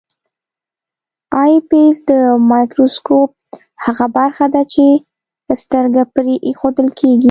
آی پیس د مایکروسکوپ هغه برخه ده چې سترګه پرې ایښودل کیږي.